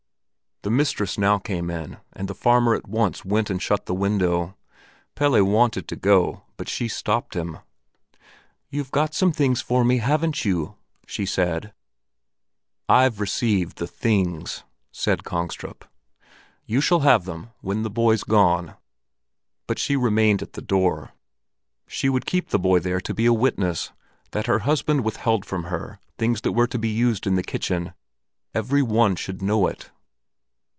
The mistress now came in, and the farmer at once went and shut the window. Pelle wanted to go, but she stopped him. "You've got some things for me, haven't you?" she said. "I've received the things," said Kongstrup. "You shall have them—when the boy's gone." But she remained at the door. She would keep the boy there to be a witness that her husband withheld from her things that were to be used in the kitchen; every one should know it.